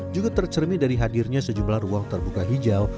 juga tercermin dari hadirnya sejumlah ruang terbuka hijau